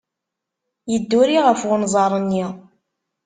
Yedduri ɣef unẓar-nni.